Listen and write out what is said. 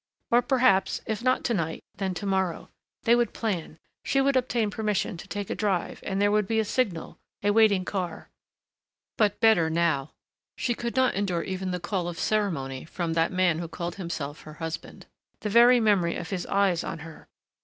Or, perhaps, if not to night, then to morrow.... They would plan ... she would obtain permission to take a drive and there would be a signal, a waiting car.... But, better now. She could not endure even the call of ceremony from that man who called himself her husband. The very memory of his eyes on her....